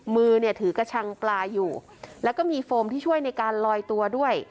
มือเนี่ยถือกระชังปลาอยู่แล้วก็มีโฟมที่ช่วยในการลอยตัวด้วย